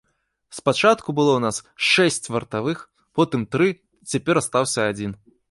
Спачатку было ў нас шэсць вартавых, потым тры, цяпер астаўся адзін.